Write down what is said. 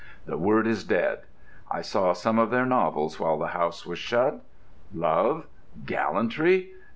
The word is dead. I saw some of their novels while the house was shut. Love? Gallantry?